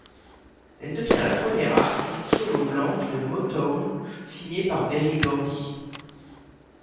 Elle devient la première artiste solo blanche de Motown, signée par Berry Gordy.